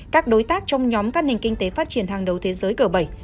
các đối tác trong nhóm các nền kinh tế phát triển hàng đầu thế giới cờ bẩy